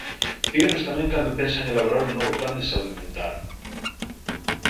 Díganos tamén cando pensan elaborar un novo plan de saúde mental.